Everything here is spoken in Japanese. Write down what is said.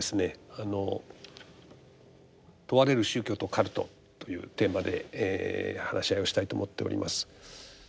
あの「問われる宗教と“カルト”」というテーマで話し合いをしたいと思っております。